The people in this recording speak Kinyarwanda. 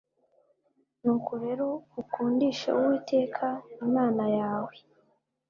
Nuko rero ukundishe Uwiteka Imana yawe